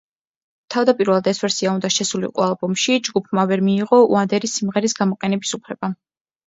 თავდაპირველად ეს ვერსია უნდა შესულიყო ალბომში, ჯგუფმა ვერ მიიღო უანდერის სიმღერის გამოყენების უფლება.